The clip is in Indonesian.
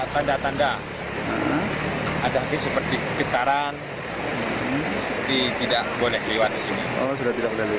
tanda tanda ada seperti pitaran tidak boleh lewat di sini